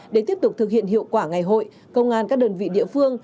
để tiếp tục thực hiện hiệu quả ngày hội công an các đơn vị địa phương